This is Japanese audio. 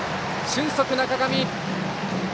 俊足、中上！